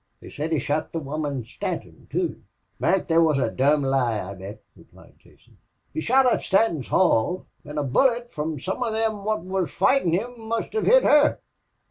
They said he shot the woman Stanton, too." "Mac, thet wore a dom' lie, I bet," replied Casey. "He shot up Stanton's hall, an' a bullet from some of thim wot was foightin' him must hev hit her."